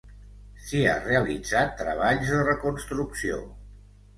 S'hi ha realitzat treballs de reconstrucció.